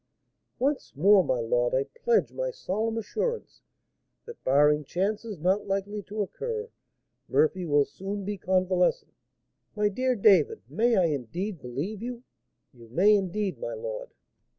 "Once more, my lord, I pledge my solemn assurance, that, barring chances not likely to occur, Murphy will soon be convalescent." "My dear David, may I indeed believe you?" "You may, indeed, my lord."